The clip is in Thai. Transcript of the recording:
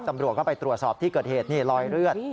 ตำรวจก็ไปตรวจสอบที่เกิดเหตุนี่รอยเลือด